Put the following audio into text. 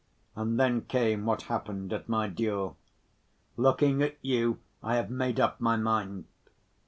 And then came what happened at my duel. "Looking at you, I have made up my mind."